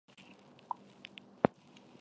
不过这次是移居到了延雪平城城居住。